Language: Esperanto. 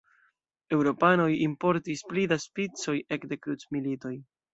Eŭropanoj importis pli da spicoj ekde krucmilitoj.